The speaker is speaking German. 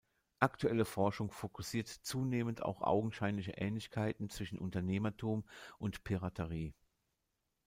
Aktuelle Forschung fokussiert zunehmend auch augenscheinliche Ähnlichkeiten zwischen Unternehmertum und Piraterie.